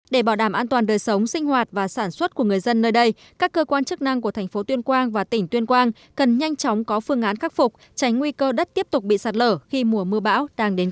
để bảo đảm an toàn đời sống sinh hoạt và sản xuất của người dân nơi đây các cơ quan chức năng của thành phố tuyên quang và tỉnh tuyên quang cần nhanh chóng có phương án khắc phục tránh nguy cơ đất tiếp tục bị sạt lở khi mùa mưa bão đang đến gần